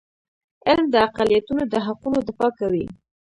علم د اقلیتونو د حقونو دفاع کوي.